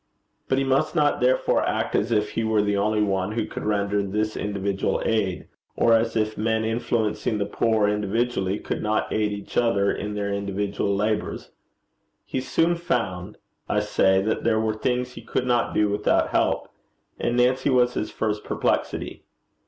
But he must not therefore act as if he were the only one who could render this individual aid, or as if men influencing the poor individually could not aid each other in their individual labours. He soon found, I say, that there were things he could not do without help, and Nancy was his first perplexity.